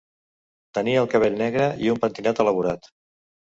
Tenia el cabell negre i un pentinat elaborat.